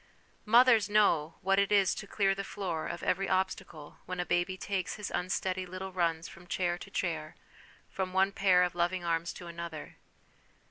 Mothers know what it is to clear the floor of every obstacle when a baby takes his unsteady little runs from chair to chair, from one pair of loving arms to another.